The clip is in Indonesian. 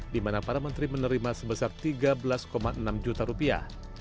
di mana para menteri menerima sebesar tiga belas enam juta rupiah